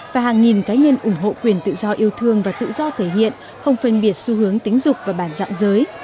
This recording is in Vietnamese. và hàng nghìn cá nhân ủng hộ quyền tự do yêu thương và tự do thể hiện không phân biệt xu hướng tính dục và bản dạng giới